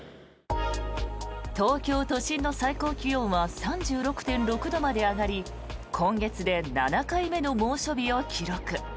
東京都心の最高気温は３６．６度まで上がり今月で７回目の猛暑日を記録。